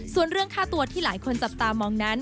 ส่วนเรื่องค่าตัวที่หลายคนจับตามองนั้น